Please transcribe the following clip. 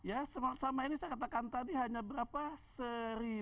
ya selama ini saya katakan tadi hanya berapa